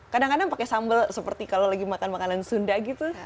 kadang kadang pakai sambal seperti kalau lagi makan makanan sunda gitu